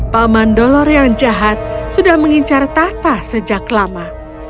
paman dolor yang jahat sudah mengincar tata sejak lama